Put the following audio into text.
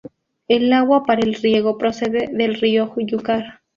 El agua para el riego procede del río Júcar.